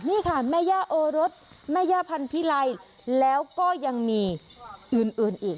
นี่ค่ะแม่ย่าโอรสแม่ย่าพันธิไลแล้วก็ยังมีอื่นอีก